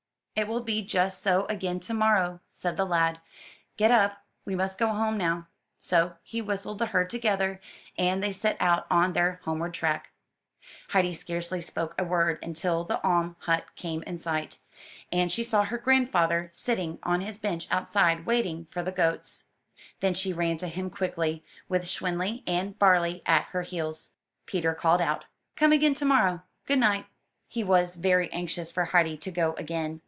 'It will be just so again to morrow,'' said the lad. ''Get up, we must go home now/' So, he whistled the herd together, and they set out on their homeward track. Heidi scarcely spoke a word until the Aim hut came in sight, and she saw her grandfather sitting on his bench outside, waiting for the goats. Then she ran to him quickly, with Schwanli and Barli at her heels. Peter called out, "Come again to morrow! good night." He was very anxious for Heidi to go again.